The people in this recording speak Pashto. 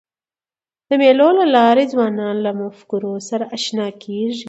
د مېلو له لاري ځوانان له مفکورو سره اشنا کېږي.